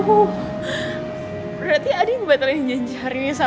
beratnya adi ngebigurin ginjari